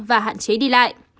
và hạn chế đi lại